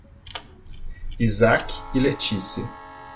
Isaac e Letícia